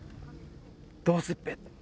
「どうすっぺ」